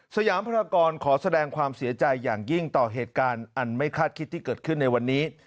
สยามพรากรขอแสดงความเสียใจอย่างยิ่งต่อเหตุการณ์อันไม่คาดคิดที่เกิดขึ้นในวันนี้